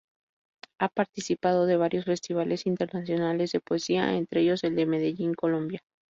Ha participado de varios festivales internacionales de poesía, entre ellos el de Medellín, Colombia.